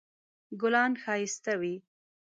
ګلان ښایسته وي